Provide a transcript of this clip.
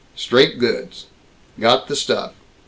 Straight goods. Got the stuff.